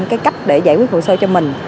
cái cách để giải quyết hồ sơ cho mình